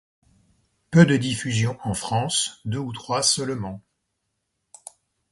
Peu de diffusions en France, deux ou trois seulement.